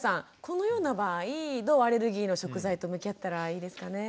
このような場合どうアレルギーの食材と向き合ったらいいですかね？